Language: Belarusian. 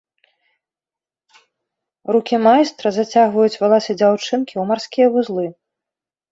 Рукі майстра зацягваюць валасы дзяўчынкі ў марскія вузлы.